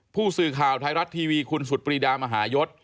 ผู้สื่อข่าวไทยรัฐทีวีคุณสุดปรีดามหายศ